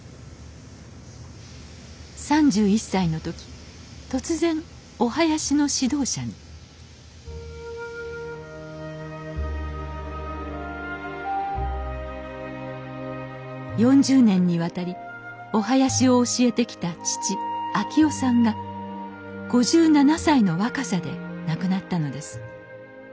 ３１歳の時突然お囃子の指導者に４０年にわたりお囃子を教えてきた父昭男さんが５７歳の若さで亡くなったのです。